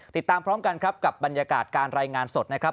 ติดตามพร้อมกันครับกับบรรยากาศการรายงานสดนะครับ